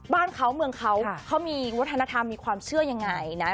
บ้านเขาเมืองเขาเขามีวัฒนธรรมมีความเชื่อยังไงนะ